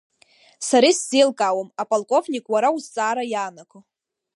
Сара исзеилкаауам, аполковник, уара узҵаара иаанаго.